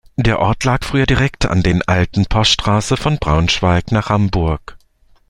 Der Ort lag früher direkt an den alten Poststraße von Braunschweig nach Hamburg.